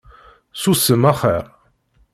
Susem axir!